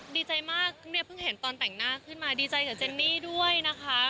ดีใจมากเนี่ยเพิ่งเห็นตอนแต่งหน้าขึ้นมาดีใจกับเจนนี่ด้วยนะคะ